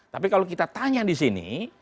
tapi kalau kita tanya di sini